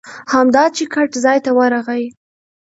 همدا چې ګټ ځای ته ورغی.